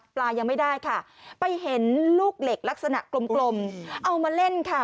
ยังไม่ได้ค่ะไปเห็นลูกเหล็กลักษณะกลมเอามาเล่นค่ะ